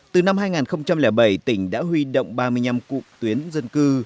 từ năm hai nghìn bảy tỉnh đã huy động ba mươi năm cụm tuyến dân cư